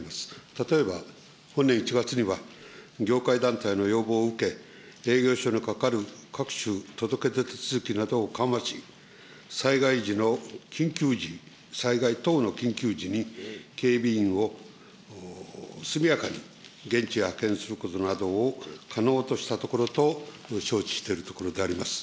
例えば本年１月には、業界団体の要望を受け、営業所のかかる各種届け出手続きなどを緩和し、災害時の緊急時、災害等の緊急時に、警備員を速やかに現地へ派遣することなどを可能としたところと承知しているところであります。